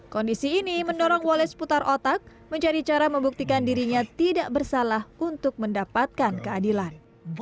kondisi ini mendorong wales putar otak mencari cara membuktikan dirinya tidak bersalah untuk mendapatkan keadilan